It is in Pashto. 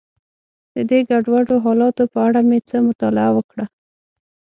د دې ګډوډو حالاتو په اړه مې څه مطالعه وکړه.